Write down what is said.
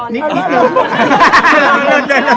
นิดเดียว